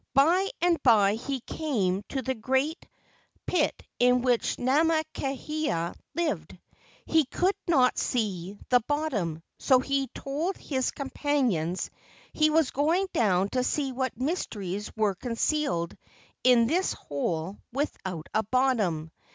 By and by he came to the great pit in which Namakaeha lived. He could not see the bottom, so he told his companions he was going down to see what mysteries were concealed in this hole without a bottom.